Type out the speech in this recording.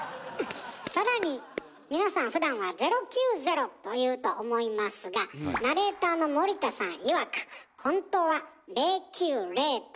更に皆さんふだんは「０９０」と言うと思いますがナレーターの森田さんいわくえ？